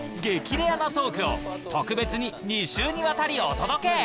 レアなトークを特別に２週にわたりお届け！